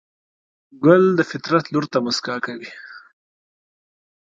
ګل د فطرت لور ته موسکا کوي.